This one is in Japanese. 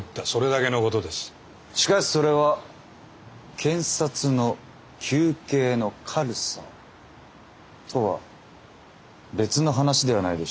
しかしそれは検察の求刑の軽さとは別の話ではないでしょうか。